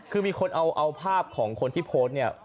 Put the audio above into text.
คือมีคนเอาภาพของคนที่โพสต์เนี่ย